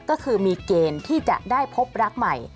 ก็คือมีเกณฑ์ที่จะได้พบรักใหม่